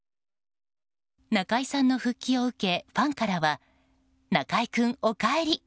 中居さんの復帰を受けファンからは中居君、おかえり！